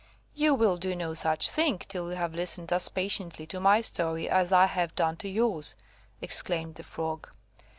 "You will do no such thing, till you have listened as patiently to my story as I have done to yours," exclaimed the Frog.